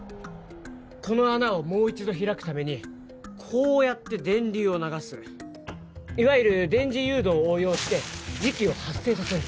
この穴をもう一度開くためにこうやって電流を流すいわゆる電磁誘導を応用して磁気を発生させる